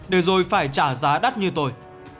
để rồi phải trả giá đắt như tôi